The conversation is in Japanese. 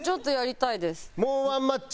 もうワンマッチ。